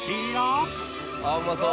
あうまそう！